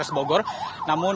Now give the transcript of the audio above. namun yang diberlakukan